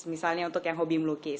misalnya untuk yang hobi melukis